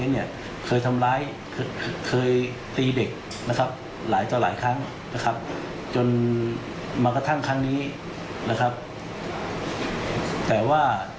หาพ่อเลี้ยงมาแล้ว